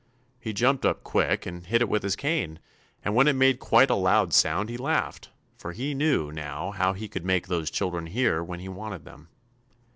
He jumped up quick and hit it with his cane, and when it made quite a loud sound he laughed, for he knew, now, how he could make those children hear when he wanted them.